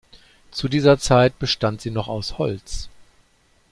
Zu dieser Zeit bestand sie noch aus Holz.